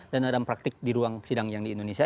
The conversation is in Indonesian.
dan ada praktik di ruang sidang yang di indonesia